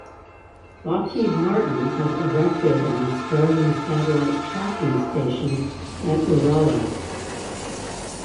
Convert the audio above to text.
Lockheed Martin has erected an Australian satellite tracking station at Uralla.